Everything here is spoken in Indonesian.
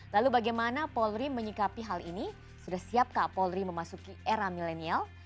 lalu bagaimana polri menyikapi hal ini sudah siapkah polri memasuki era milenial